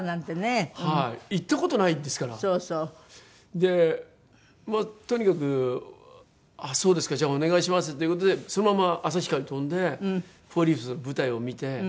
でまあとにかく「そうですか。じゃあお願いします」っていう事でそのまま旭川に飛んでフォーリーブスの舞台を見て。